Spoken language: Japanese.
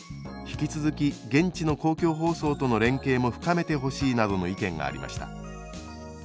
「引き続き現地の公共放送との連携も深めてほしい」などの意見がありました。